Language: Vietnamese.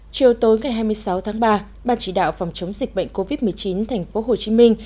chiều tối ngày hai mươi sáu tháng ba ban chỉ đạo phòng chống dịch bệnh covid một mươi chín thành phố hồ chí minh